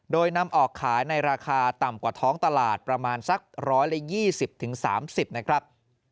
โดยนำออกขายในราคาต่ำกว่าท้องตลาดประมาณสัก๑๒๐๓๐นะครับ